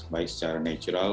baik secara natural